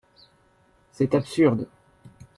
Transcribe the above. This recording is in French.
C’est absurde